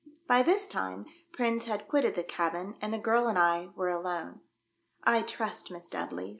By this time Prins had quitted the cabin, and the girl and I were alone. " I trust, Miss Dudley."